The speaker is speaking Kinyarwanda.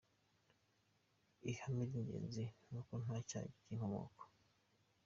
Ihame ry’ingenzi ni uko nta cyaha cy’inkomoko.